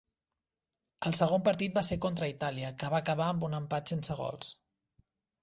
El segon partit va ser contra Itàlia, que va acabar amb un empat sense gols.